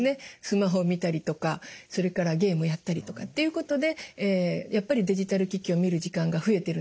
スマホを見たりとかそれからゲームをやったりとかっていうことでやっぱりデジタル機器を見る時間が増えてるんだと思います。